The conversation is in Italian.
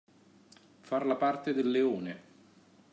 Far la parte del leone.